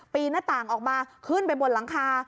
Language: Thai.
หน้าต่างออกมาขึ้นไปบนหลังคา